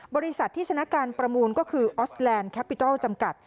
บริษัทที่ชนะการประมูลก็คือออสแลนด์แคปปิลจำกัด